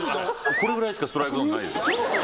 これぐらいしかストライクゾーンない。